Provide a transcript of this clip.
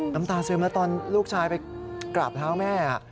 น้ำตาซึมละตอนลูกชายไปกลับแถวแม่